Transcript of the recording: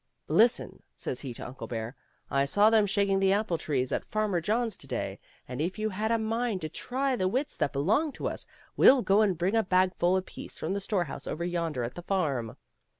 " Listen," says he to Uncle Bear, " I saw them shaking the apple trees at Farmer John's to day, and if you have a mind to try the wits that belong to us, we'll go and bring a bagful apiece from the storehouse over yonder at the farm."